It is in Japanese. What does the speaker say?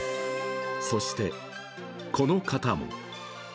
そして、この方も。